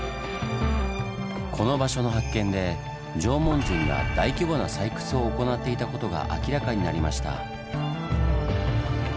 この場所の発見で縄文人が大規模な採掘を行っていたことが明らかになりました。